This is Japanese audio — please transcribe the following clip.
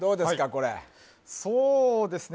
これそうですね